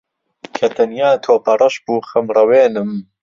کە تەنیا تۆپەڕەش بوو خەمڕەوێنم